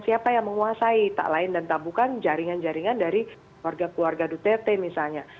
siapa yang menguasai tak lain dan tak bukan jaringan jaringan dari keluarga keluarga dutte misalnya